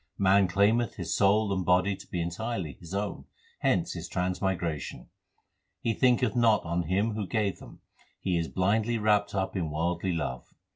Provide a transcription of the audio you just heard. Man claimeth his soul and body to be entirely his own ; hence his transmigration. He thinketh not on Him who gave them ; he is blindly wrapped up in worldly love.